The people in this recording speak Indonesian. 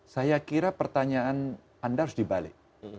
saya kira pertanyaan anda harus dibalik